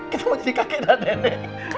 kita mau jadi kakek dan nenek